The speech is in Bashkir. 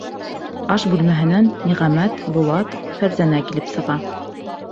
Аш бүлмәһенән Ниғәмәт, Булат, Фәрзәнә килеп сыға.